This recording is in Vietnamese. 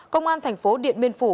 công an thành phố điện biên phủ